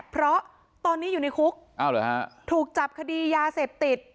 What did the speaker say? เพราะตอนนี้อยู่ในคุกถูกจับคดียาเสพติด